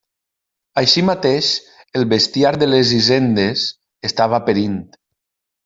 Així mateix el bestiar de les hisendes estava perint.